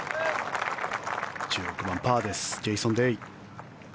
１６番、パーですジェイソン・デイ。